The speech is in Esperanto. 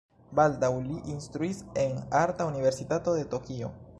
Baldaŭ li instruis en Arta Universitato de Tokio.